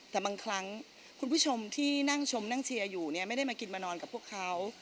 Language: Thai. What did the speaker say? แต่บางครั้งคุณผู้ชมที่นั่งชมนั่งเชียร์อยู่เนี่ยไม่ได้มากินมานอนกับพวกเขา